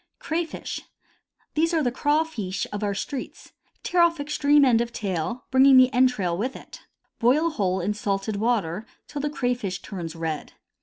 Crayfish. — These are the " craw feesh !" of our streets. Tear off extreme end of tail, bringing the entrail with it. Boil whole in salted water till the crayfish turns red.